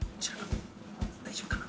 大丈夫かな？